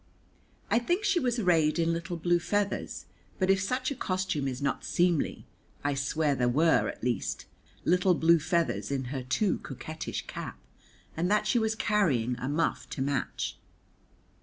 I think she was arrayed in little blue feathers, but if such a costume is not seemly, I swear there were, at least, little blue feathers in her too coquettish cap, and that she was carrying a muff to match.